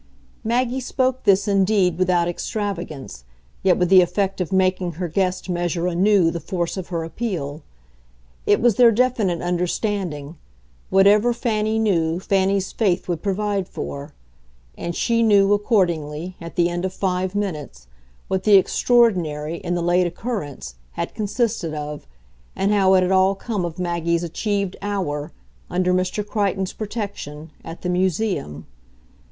Maggie spoke this indeed without extravagance, yet with the effect of making her guest measure anew the force of her appeal. It was their definite understanding: whatever Fanny knew Fanny's faith would provide for. And she knew, accordingly, at the end of five minutes, what the extraordinary, in the late occurrence, had consisted of, and how it had all come of Maggie's achieved hour, under Mr. Crichton's protection, at the Museum.